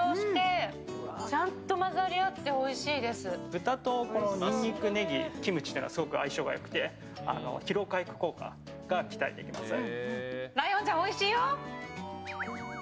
豚とニンニクネギ、キムチっていうのはすごく相性が良くて疲労回復効果が期待できますね。